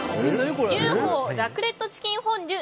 ＵＦＯラクレットチキンフォンデュ